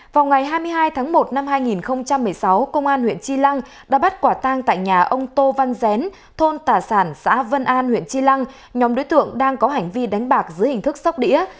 vào ngày hai mươi hai tháng một năm hai nghìn một mươi sáu công an huyện chi lăng đã bắt quả tang tại nhà ông tô văn rén thôn tà sản xã vân an huyện chi lăng nhóm đối tượng đang có hành vi đánh bạc dưới hình thức sóc đĩa